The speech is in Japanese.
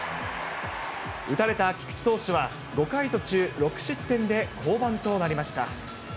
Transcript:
打たれた菊池投手は、５回途中６失点で降板となりました。